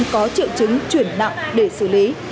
có triệu chứng chuyển nặng để xử lý